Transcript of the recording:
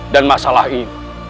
dan masalah ini